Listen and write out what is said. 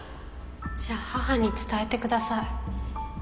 じゃあ母に伝えてください